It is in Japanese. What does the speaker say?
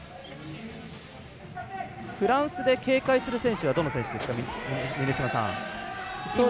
フランスで警戒する選手はどの選手ですか？